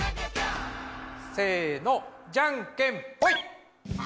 せのじゃんけんぽい。